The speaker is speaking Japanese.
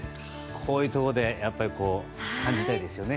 こういうところで感じたいですよね。